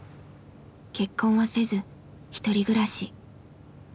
結婚はせずひとり暮らし。